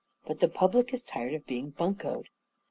But the public is tired of being buncoed."